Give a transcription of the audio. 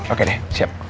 oke deh siap